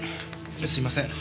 すいません。